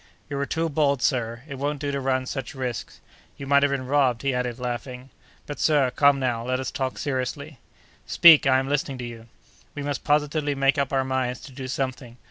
"You were too bold, sir; it won't do to run such risks. You might have been robbed," he added, laughing. "But, sir, come now, let us talk seriously." "Speak! I am listening to you." "We must positively make up our minds to do something.